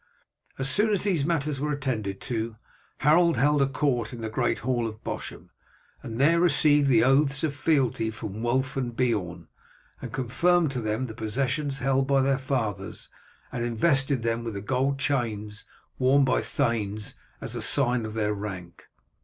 As soon as these matters were attended to Harold held a court in the great hall of Bosham, and there received the oaths of fealty from Wulf and Beorn, and confirmed to them the possessions held by their fathers, and invested them with the gold chains worn by thanes as the sign of their rank.